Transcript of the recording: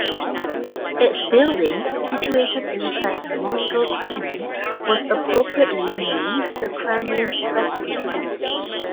Its building, situated inside the Moscow Kremlin, was appropriately named the Kremlin Presidium.